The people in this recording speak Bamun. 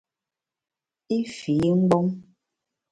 I fii mgbom.